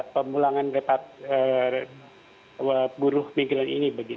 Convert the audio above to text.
pemulangan repat buruh migran ini begitu